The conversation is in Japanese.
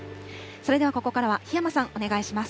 それではここからは、檜山さん、お願いします。